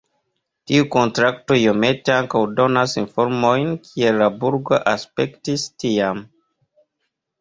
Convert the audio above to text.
Tiu kontrakto iomete ankaŭ donas informojn kiel la burgo aspektis tiam.